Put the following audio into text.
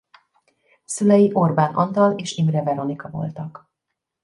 Szülei Orbán Antal és Imre Veronika voltak.